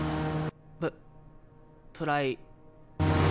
ププライ。